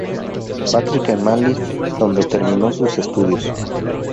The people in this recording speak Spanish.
Patrick en Manly, donde terminó sus estudios.